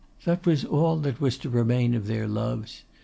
That was all that was to remain of their loves.